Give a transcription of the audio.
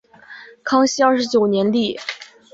康熙二十九年立。